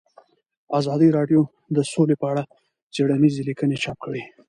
ازادي راډیو د سوله په اړه څېړنیزې لیکنې چاپ کړي.